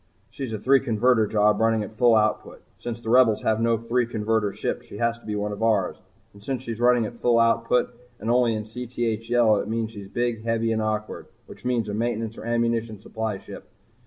"She's a three converter job running at full output. Since the Rebels have no three converter ships, she has to be one of ours. And since she's running at full output and only in Cth yellow, it means she's big, heavy, and awkward which means a maintenance or an ammunition supply ship.